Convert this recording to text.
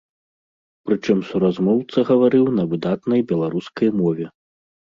Прычым суразмоўца гаварыў на выдатнай беларускай мове.